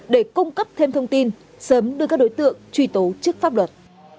để cung cấp thêm thông tin sớm đưa các đối tượng truy tố trước pháp luật